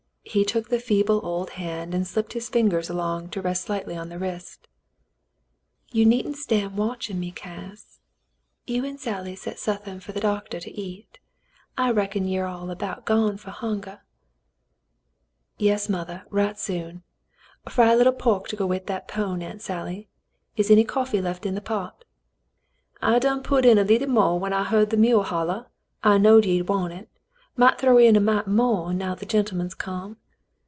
He took the feeble old hand and slipped his fingers along to rest lightly on the wrist. "You needn't stan' watchin' me, Cass. You 'n' Sally set suthin' fer th' doctah to eat. I reckon ye're all about gone fer hunger." • *'Yes, mothah, right soon. Fry a little pork to go with the pone, Aunt Sally. Is any coffee left in the pot ?" "I done put in a lee tie mo' when I heered the mule hollah. I knowed ye'd want it. Might throw in a mite mo' now th' gentleman's come."